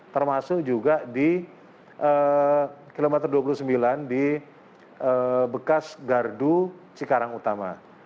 termasuk juga di kilometer dua puluh sembilan di bekas gardu cikarang utama